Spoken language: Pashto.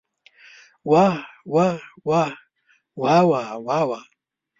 واه واه واه واوا واوا.